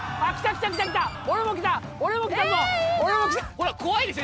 ほら怖いでしょ？